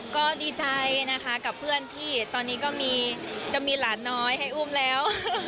ก็ดีใจนะคะกับเพื่อนที่ตอนนี้ก็จะมีหลานน้อยให้อุ้มแล้ว